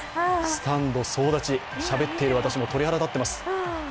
スタンド総立ち、しゃべっている私も鳥肌が立っています。